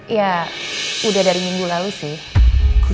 ya udah dari minggu lalu sih